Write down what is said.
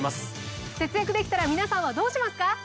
節約できたら皆さんはどうしますか？